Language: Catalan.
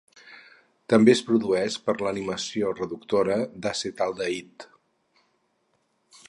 També es produeix per l'aminació reductora d'acetaldehid.